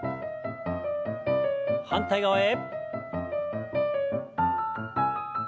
反対側へ。